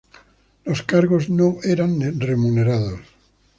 Los cargos no eran remunerados.